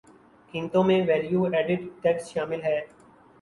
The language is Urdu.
قیمتوں میں ویلیو ایڈڈ ٹیکس شامل ہے